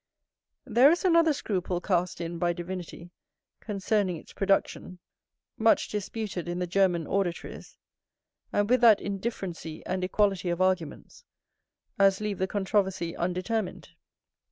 There is another scruple cast in by divinity concerning its production, much disputed in the German auditories, and with that indifferency and equality of arguments, as leave the controversy undetermined.